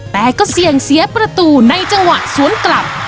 แต่ก็เสี่ยงเสียประตูในจังหวะสวนกลับ